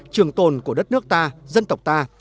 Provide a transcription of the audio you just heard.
trường tồn của đất nước ta dân tộc ta